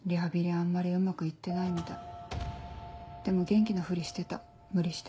あんまりうまく行ってないみたいでも元気なふりしてた無理して。